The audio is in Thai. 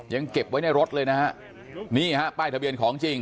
ยังเก็บไว้ในรถเลยนะฮะนี่ฮะป้ายทะเบียนของจริง